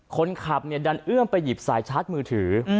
คนขับดันเอื้อมไปหยิบสายชาร์จมือถือ